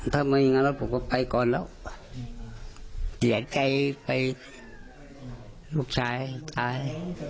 ถ้าไม่งั้นแล้วผมก็ไปก่อนแล้วเดี๋ยวใครไปลูกชายตาย